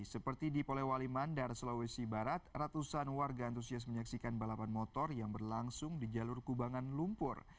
seperti di polewali mandar sulawesi barat ratusan warga antusias menyaksikan balapan motor yang berlangsung di jalur kubangan lumpur